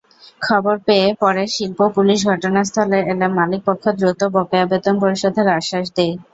খবর পেয়ে পরে শিল্প-পুলিশ ঘটনাস্থলে এলে মালিকপক্ষ দ্রুত বকেয়া বেতন পরিশোধের আশ্বাস দেয়।